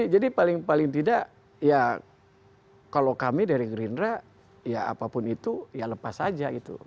jadi paling tidak ya kalau kami dari gerindra ya apapun itu ya lepas aja itu